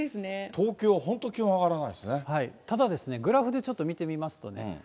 東京、ただですね、グラフでちょっと見てみますとね。